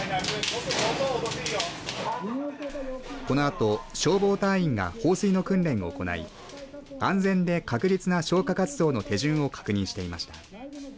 このあと消防隊員が放水の訓練を行い安全で確実な消火活動の手順を確認していました。